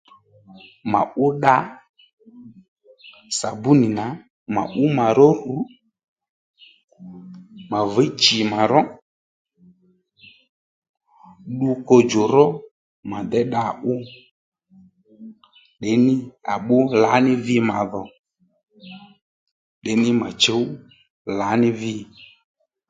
Mà ú dda sàbúnì nà mà ú mà ró rù mà vǐy chì mà ró ddu kodjò ró mà déy dda ú tdení à bbú lǎní vi màdhò tdení mà chǔw lǎní vi